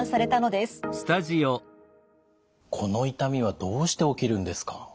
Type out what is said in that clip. この痛みはどうして起きるんですか？